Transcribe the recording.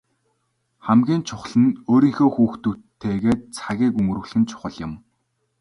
Хамгийн чухал нь өөрийнхөө хүүхдүүдтэйгээ цагийг өнгөрөөх нь чухал юм.